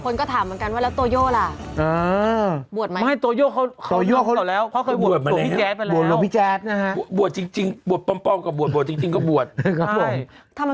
คนก็ถามเหมือนกันว่าแล้วโตโย่ล่ะอ่าบวชไหมไม่โตโย่เขาเขา